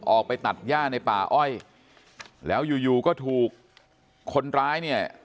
ออกไปตัดย่าในป่าอ้อยแล้วอยู่อยู่ก็ถูกคนร้ายเนี่ย